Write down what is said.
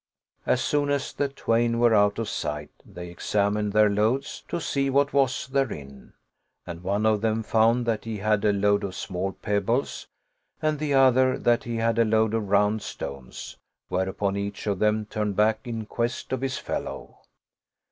As soon as the twain were out of sight, they examined their loads, to see what was therein, and one of them found that he had a load of small pebbles and the other that he had a load of round stones; whereupon each of them turned back in quest of his fellow.